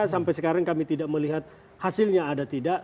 sampai sekarang kami tidak melihat hasilnya ada tidak